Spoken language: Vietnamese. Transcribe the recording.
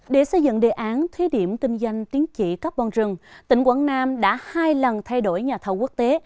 để xây dựng đề án thí điểm kinh doanh tính trị carbon rừng tỉnh quảng nam đã hai lần thay đổi nhà thầu quốc tế